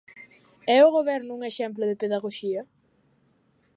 É o goberno un exemplo de pedagoxía?